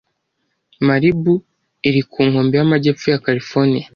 Malibu iri ku nkombe y’amajyepfo ya California.